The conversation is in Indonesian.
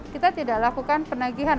kita tidak lakukan penagihan